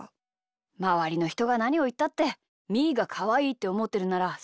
まわりのひとがなにをいったってみーがかわいいっておもってるならそれでいいんだよ。